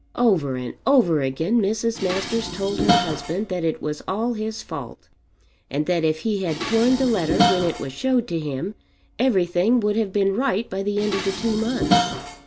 Over and over again Mrs. Masters told her husband that it was all his fault, and that if he had torn the letter when it was showed to him, everything would have been right by the end of the two months.